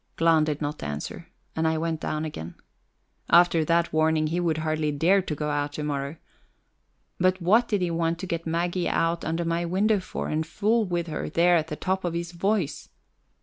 Glahn did not answer, and I went down again. After that warning he would hardly dare to go out to morrow but what did he want to get Maggie out under my window for, and fool with her there at the top of his voice?